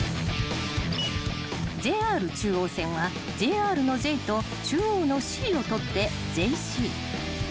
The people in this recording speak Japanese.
［ＪＲ中央線は「ＪＲ」の「Ｊ」と「中央」の「Ｃ」を取って「ＪＣ」］